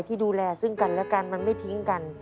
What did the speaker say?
ที่ดูแลซึ่งกันและกันมันไม่ทิ้งกัน